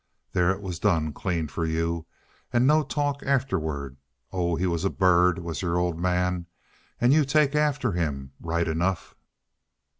There it was done clean for you and no talk afterward. Oh, he was a bird, was your old man. And you take after him, right enough!"